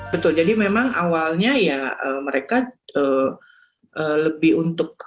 betul jadi memang awalnya ya mereka lebih untuk